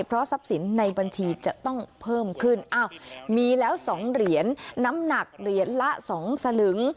เพราะสับสินในบัญชีจะต้องเพิ่มขึ้นมีแล้วสองเหรียญน้ำหนักเหรียญละสองสลึง